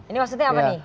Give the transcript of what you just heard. ini maksudnya apa nih